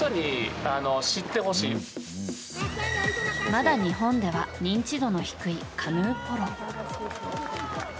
まだ日本では認知度の低いカヌーポロ。